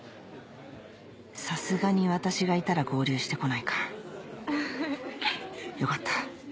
さすがに私がいたら合流してこないかよかった